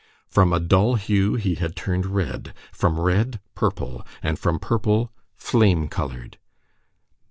From a dull hue he had turned red, from red, purple, and from purple, flame colored.